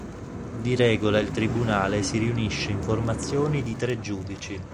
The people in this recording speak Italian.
Di regola il Tribunale si riunisce in formazioni di tre giudici.